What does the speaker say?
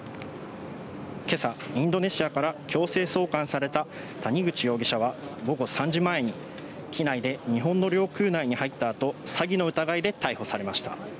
けさ、インドネシアから強制送還された谷口容疑者は、午後３時前に、機内で日本の領空内に入ったあと、詐欺の疑いで逮捕されました。